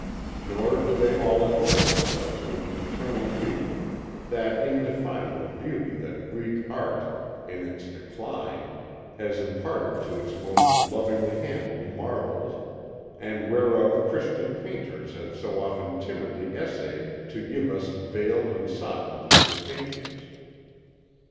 Nor do they all adorn themselves with eternal youth, that indefinable beauty that Greek art in its decline has imparted to its most lovingly handled marbles, and whereof Christian painters have so often timidly essayed to give us veiled and softened imitations.